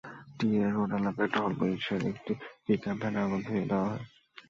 TA road এলাকায় টহল পুলিশের একটি পিকআপ ভ্যানে আগুন ধরিয়ে দেওয়া হয়।